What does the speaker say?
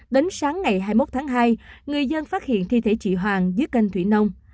đến sáng ngày hai mươi một tháng hai người dân phát hiện thi thể chị hoàng dưới canh thủy nông